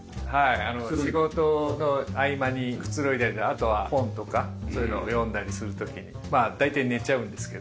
仕事の合間にくつろいだりあとは本とかそういうのを読んだりする時にまあ大体寝ちゃうんですけど。